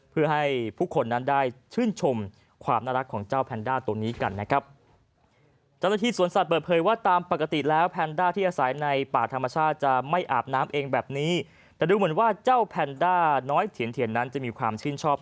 เพื่อให้ผู้คนนั้นได้ชื่นชมความน่ารักของเจ้าแพนด้าตัวนี้กันนะครับ